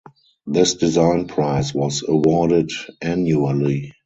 This design prize was awarded annually.